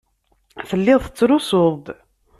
Telliḍ tettrusuḍ-d.